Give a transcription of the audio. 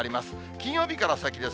金曜日から先です。